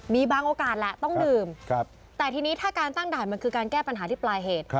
มีบางโอกาสแหละต้องดื่มแต่ทีนี้ถ้าการตั้งด่านมันคือการแก้ปัญหาที่ปลายเหตุ